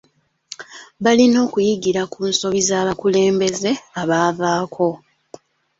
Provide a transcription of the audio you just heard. Balina okuyigira ku nsobi z'abakulembeze abaavaako.